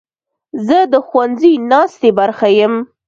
زه د ښوونځي ناستې برخه یم.